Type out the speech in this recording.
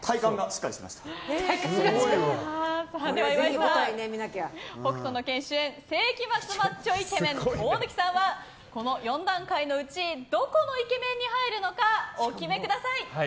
では、岩井さん「北斗の拳」主演世紀末マッチョイケメン大貫さんはこの４段階のうちどこのイケメンに入るのかお決めください。